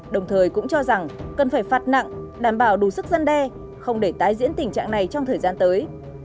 đồng thời cũng cho rằng cần phải phạt nặng đảm bảo đủ sức dân đe không để tái diễn tình trạng này trong thời gian tới